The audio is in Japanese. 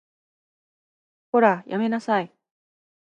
こら、やめなさい